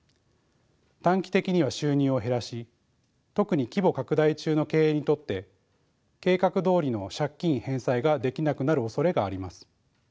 短期的には収入を減らし特に規模拡大中の経営にとって計画どおりの借金返済ができなくなるおそれがあります。